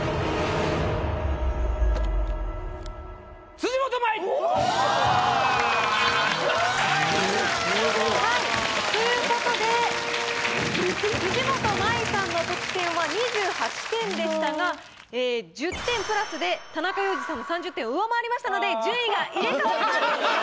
辻元舞！ということで辻元舞さんの得点は２８点でしたが１０点プラスで田中要次さんの３０点を上回りましたので順位が入れ替わります。